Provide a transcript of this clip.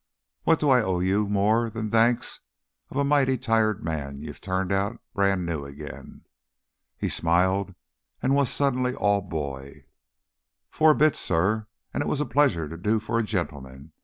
"What do I owe you more'n the thanks of a mighty tired man you've turned out brand new again?" He smiled and was suddenly all boy. "Foah bits, suh. An' it was a pleasure to do fo' a gentleman.